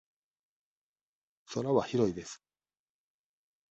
空は広いです。